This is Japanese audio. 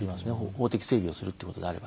法的整備をするってことであれば。